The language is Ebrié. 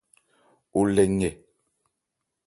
O lɛ nkɛ.